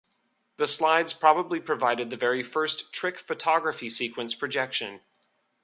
The slides probably provided the very first trick photography sequence projection.